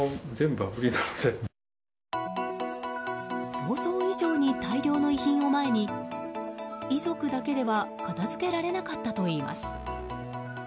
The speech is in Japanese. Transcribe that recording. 想像以上に大量の遺品を前に遺族だけでは片づけられなかったといいます。